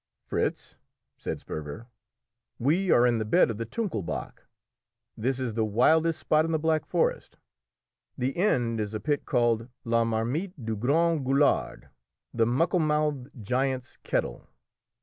"Fritz," said Sperver, "we are in the bed of the Tunkelbach. This is the wildest spot in the Black Forest. The end is a pit called La Marmite du Grand Gueulard, the muckle mouthed giant's kettle.